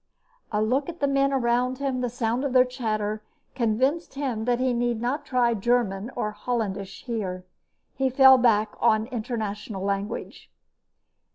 A look at the men around him, the sound of their chatter, convinced him that he need not try German or Hollandsch here. He fell back on the international language.